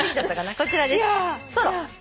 こちらです。